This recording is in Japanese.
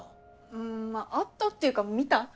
うんまぁ会ったっていうか見た？